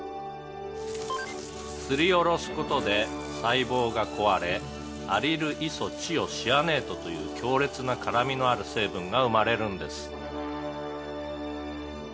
「すりおろす事で細胞が壊れアリルイソチオシアネートという強烈な辛味のある成分が生まれるんです」